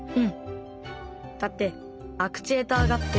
だってアクチュエーターがあって。